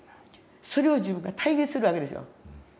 それを自分が体現するわけですよ。